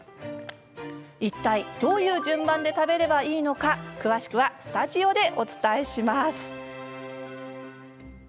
いったいどういう順番で食べればいいのか詳しくはスタジオでお伝えします。